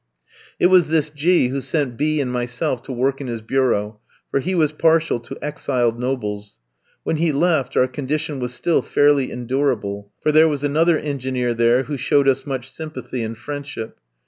It was this G kof who sent B ski and myself to work in his bureau, for he was partial to exiled nobles. When he left, our condition was still fairly endurable, for there was another engineer there who showed us much sympathy and friendship.